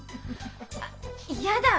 あっ嫌だ！